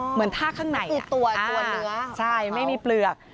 เหมือนท่าข้างในคือตัวเนื้อใช่ไม่มีเปลือก